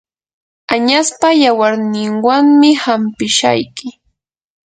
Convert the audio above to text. añaspa yawarninwanmi hanpishayki.